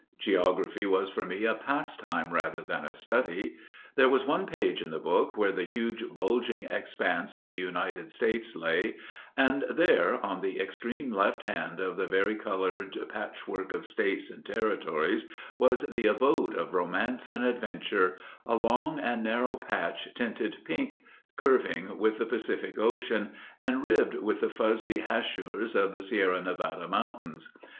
Geography was for me a pastime rather than a study. There was one page in the book where the huge bulging expanse of the United States lay, and there, on the extreme left hand of the vari coloured patchwork of States and territories, was the abode of romance and adventure a long and narrow patch tinted pink, curving with the Pacific Ocean, and ribbed with the fuzzy haschures of the Sierra Nevada Mountains.